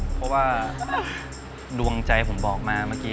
เพราะว่าดวงใจผมบอกมาเมื่อกี้